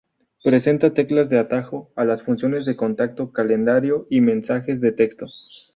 Presenta teclas de atajo a las funciones de contacto, calendario y mensajes de texto.